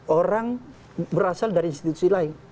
orang berasal dari institusi lain